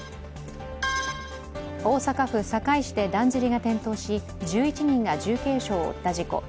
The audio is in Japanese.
大阪府堺市でだんじりが転倒し１１人が重軽傷を負った事故。